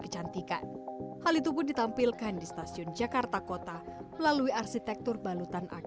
kecantikan hal itu pun ditampilkan di stasiun jakarta kota melalui arsitektur balutan